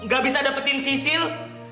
gak bisa dapetin sisil